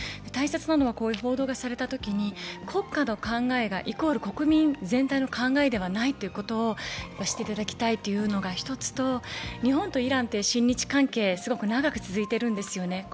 大切なのはこういう報道がされたときに、国家の考えが、イコール国民全体の考えではないというのが一つと、日本とイランって親日関係、すごく長く続いているんですよね。